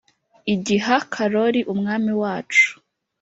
Igiha Karoli umwami wacu